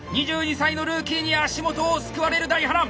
２２歳のルーキーに足元を救われる大波乱！